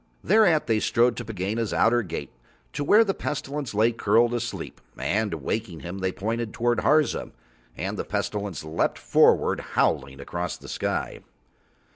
Thereat They strode to Pegāna's outer gate, to where the Pestilence lay curled asleep, and waking him up They pointed toward Harza, and the Pestilence leapt forward howling across the sky.